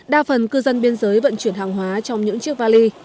đa phần cư dân biên giới vận chuyển hàng hóa trong những chiếc vali